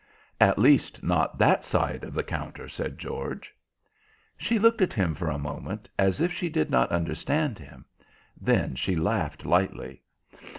"At least, not that side of the counter," said George. She looked at him for a moment, as if she did not understand him; then she laughed lightly.